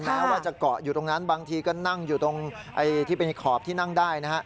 แม้ว่าจะเกาะอยู่ตรงนั้นบางทีก็นั่งอยู่ตรงที่เป็นขอบที่นั่งได้นะฮะ